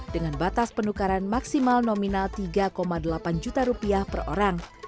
dengan batas penukaran maksimal nominal tiga delapan juta rupiah per orang